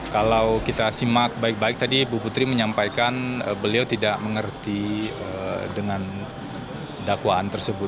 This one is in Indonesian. kalau kita simak baik baik tadi bu putri menyampaikan beliau tidak mengerti dengan dakwaan tersebut